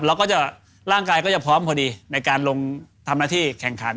แล้วก็จะร่างกายก็จะพร้อมพอดีในการลงทำหน้าที่แข่งขัน